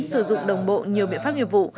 sử dụng đồng bộ nhiều biện pháp nghiệp vụ